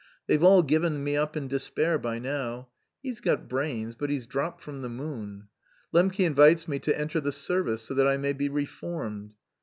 They've all given me up in despair by now: 'he's got brains but he's dropped from the moon.' Lembke invites me to enter the service so that I may be reformed.